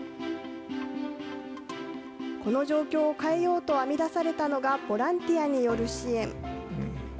この状況を変えようと編み出されたのが、ボランティアによる支援。